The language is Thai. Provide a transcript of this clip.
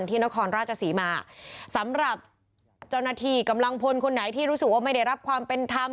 นครราชศรีมาสำหรับเจ้าหน้าที่กำลังพลคนไหนที่รู้สึกว่าไม่ได้รับความเป็นธรรม